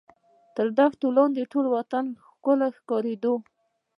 تر دښت لاندې ټول وطن ښکاره کېدو.